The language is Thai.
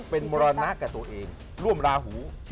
เป็นมรณะกับตัวเองร่วมราหู